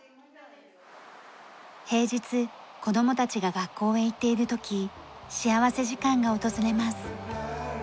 平日子どもたちが学校へ行っている時幸福時間が訪れます。